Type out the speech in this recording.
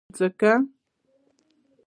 ځکه،